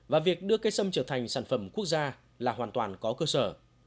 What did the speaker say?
và việc đưa cây sâm trở thành sản phẩm quốc gia là hoàn toàn có cơ sở